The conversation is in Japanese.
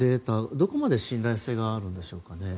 どこまで信頼性があるんでしょうかね？